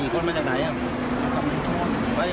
๒๐คนใจจนไหน